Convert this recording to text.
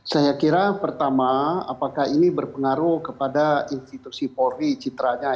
saya kira pertama apakah ini berpengaruh kepada institusi polri citranya